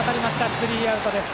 スリーアウトです。